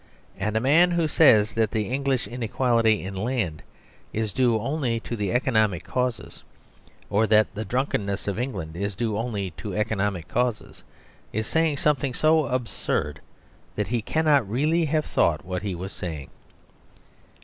And a man who says that the English inequality in land is due only to economic causes, or that the drunkenness of England is due only to economic causes, is saying something so absurd that he cannot really have thought what he was saying.